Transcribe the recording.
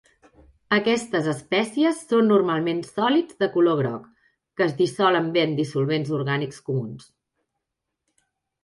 Aquestes espècies són normalment sòlids de color groc, que es dissolen bé en dissolvents orgànics comuns.